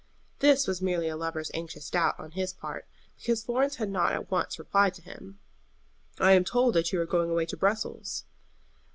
This was merely a lover's anxious doubt on his part, because Florence had not at once replied to him. "I am told that you are going away to Brussels."